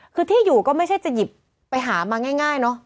คือที่อยู่ก็ไม่ใช่จะหยิบไปหามาง่ายเนอะ